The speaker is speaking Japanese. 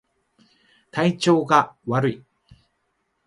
体調が悪い